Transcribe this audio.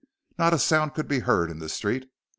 Not a sound could be heard in the street.